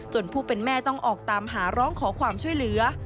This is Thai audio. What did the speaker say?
ผู้เป็นแม่ต้องออกตามหาร้องขอความช่วยเหลือ